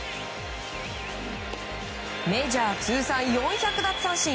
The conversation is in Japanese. メジャー通算４００奪三振。